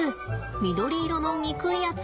緑色のにくいやつ。